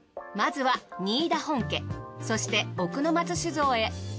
まずは仁井田本家そして奥の松酒造へ。